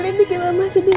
nanti kita berjalan